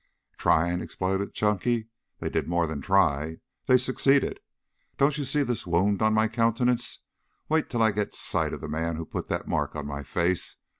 "Trying!" exploded Chunky. "They did more than try. They succeeded. Don't you see this wound on my countenance? Wait till I get sight of the man who put that mark on my face.